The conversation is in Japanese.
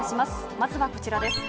まずはこちらです。